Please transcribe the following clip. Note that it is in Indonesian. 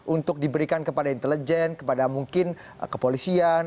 untuk diberikan kepada intelijen kepada mungkin kepolisian